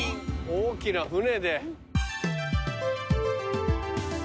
大きな船で。